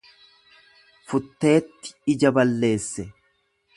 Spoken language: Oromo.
Futteetti ija balleesse.